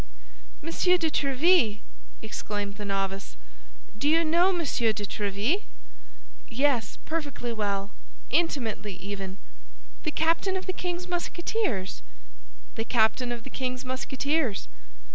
"Monsieur de Tréville!" exclaimed the novice, "do you know Monsieur de Tréville?" "Yes, perfectly well—intimately even." "The captain of the king's Musketeers?" "The captain of the king's Musketeers."